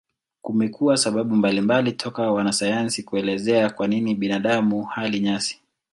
Kumekuwa sababu mbalimbali toka kwa wanasayansi kuelezea kwa nini binadamu hali nyasi.